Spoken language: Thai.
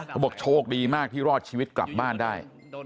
เขาบอกโชคดีมากที่รอดชีวิตกลับบ้านได้